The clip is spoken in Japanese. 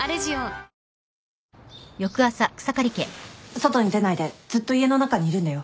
⁉外に出ないでずっと家の中にいるんだよ。